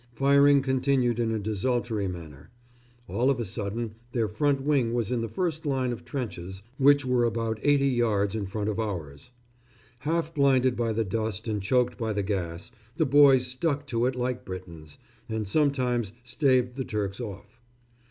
Firing continued in a desultory manner. All of a sudden their front wing was in the first line of trenches, which were about eighty yards in front of ours. Half blinded by the dust and choked by the gas, the boys stuck to it like Britons, and sometimes staved the Turks off.